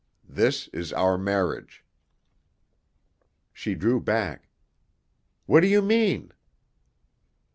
This is our marriage." She drew back. "What do you mean?"